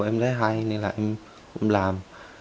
em thấy hay nên là em cũng làm